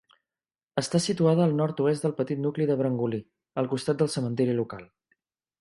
Està situada al nord-oest del petit nucli de Brangolí, al costat del cementiri local.